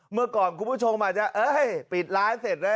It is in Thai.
เมื่อก่อนคุณผู้ชมอาจจะเอ้ยปิดร้านเสร็จนะ